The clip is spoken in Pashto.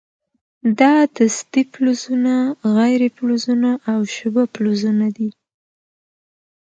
دا دستې فلزونه، غیر فلزونه او شبه فلزونه دي.